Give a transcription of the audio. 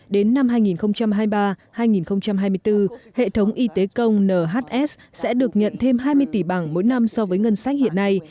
đến năm hai nghìn hai mươi ba hai nghìn hai mươi bốn hệ thống y tế công nhs sẽ được nhận thêm hai mươi tỷ bảng mỗi năm so với ngân sách hiện nay